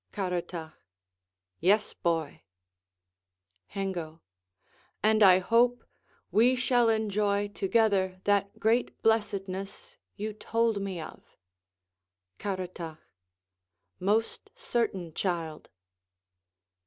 Caratach Yes, boy. Hengo And I hope We shall enjoy together that great blessedness You told me of. Caratach Most certain, child.